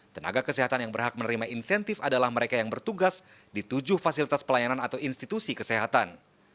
tenaga kesehatan yang berhak menerima insentif adalah mereka yang bertugas di tujuh fasilitas pelayanan atau institusi kesehatan